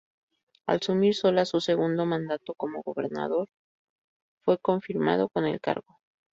Al asumir Solá su segundo mandato como Gobernador, fue confirmado en el cargo.